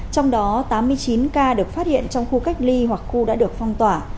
trong đó tám mươi chín ca được phát hiện trong khu cách ly hoặc khu đã được phong tỏa